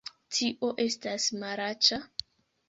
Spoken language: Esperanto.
Tio estas malaĉa!